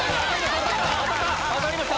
当たりました！